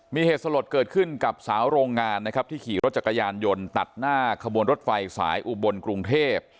มีเหตุสลดเกิดขึ้นกับสาวโรงงานนะครับที่ขี่รถจักรยานยนต์ตัดหน้าขบวนรถไฟสายอุบลกรุงเทพ